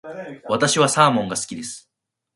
私はサーモンが好きです。